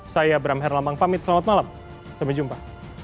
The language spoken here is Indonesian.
saya abram herlamang pamit selamat malam sampai jumpa